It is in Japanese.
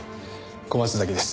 小松崎です。